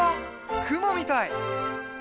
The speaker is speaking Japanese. くもみたい。